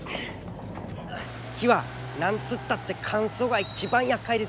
木は何つったって乾燥が一番やっかいですよ。